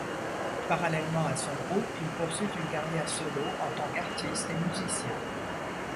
Parallèlement à son groupe, il poursuit une carrière solo en tant qu'artiste et musicien.